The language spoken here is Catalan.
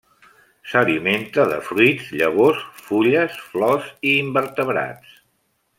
S'alimenta de fruits, llavors, fulles, flors i invertebrats.